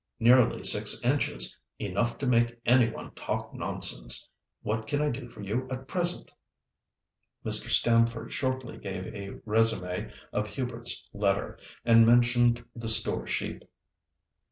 Nearly six inches! Enough to make any one talk nonsense. What can I do for you at present?" Mr. Stamford shortly gave a résumé of Hubert's letter, and mentioned the store sheep.